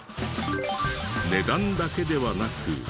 値段だけではなく。